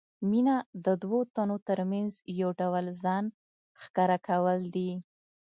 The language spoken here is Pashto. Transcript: مینه د دوو تنو ترمنځ یو ډول ځان ښکاره کول دي.